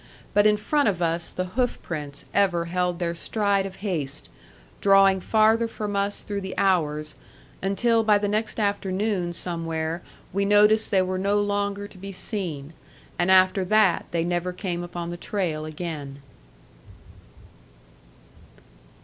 But in front of us the hoofprints ever held their stride of haste, drawing farther from us through the hours, until by the next afternoon somewhere we noticed they were no longer to be seen; and after that they never came upon the trail again.